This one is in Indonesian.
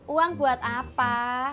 uang buat apa